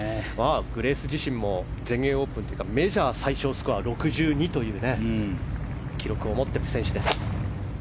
グレース自身も全英オープンというかメジャー最少スコアは６２という記録を持っている選手です。